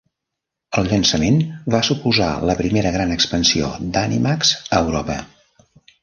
El llançament va suposar la primera gran expansió d'Animax a Europa.